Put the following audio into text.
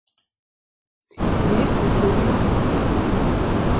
U heeft tot donderdag de tijd.